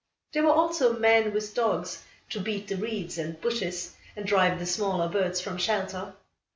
There were also men with dogs, to beat the reeds and bushes, and drive the smaller birds from shelter.